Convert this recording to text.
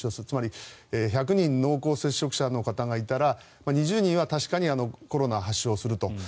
つまり１００人濃厚接触者の方がいたら２０人は確かにコロナを発症すると。